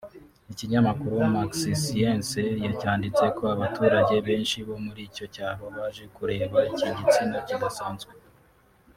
Ikinyamakuru Maxisciences cyanditse ko abaturage benshi bo muri icyo cyaro baje kureba iki gisimba kidasanzwe